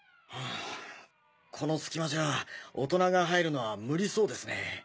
うんこのすき間じゃ大人が入るのは無理そうですねぇ。